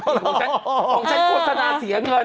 ของฉันโฆษณาเสียเงิน